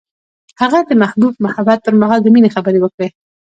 هغه د محبوب محبت پر مهال د مینې خبرې وکړې.